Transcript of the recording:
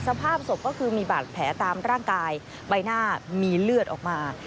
สภาพศพก็คือมีบาดแผลตามร่างกายใบหน้ามีเลือดออกมา